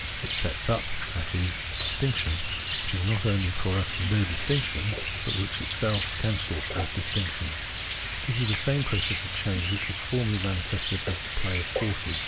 It sets up, that is, a distinction which is not only for us no distinction, but which it itself cancels 150 . Phenomenology of Mind as distinction. This is the same process of change which was formerly manifested as the play of forces.